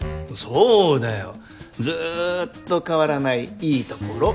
そうだよずっと変わらないいいところ。